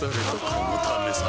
このためさ